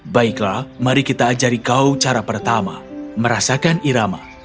baiklah mari kita ajari kau cara pertama merasakan irama